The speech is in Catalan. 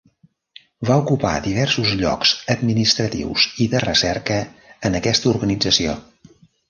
Va ocupar diversos llocs administratius i de recerca en aquesta organització.